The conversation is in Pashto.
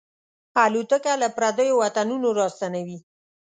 الوتکه له پردیو وطنونو راستنوي.